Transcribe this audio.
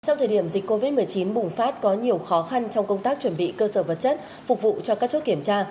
trong thời điểm dịch covid một mươi chín bùng phát có nhiều khó khăn trong công tác chuẩn bị cơ sở vật chất phục vụ cho các chốt kiểm tra